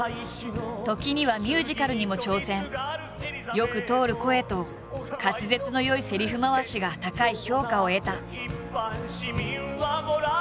よく通る声と滑舌の良いせりふ回しが高い評価を得た。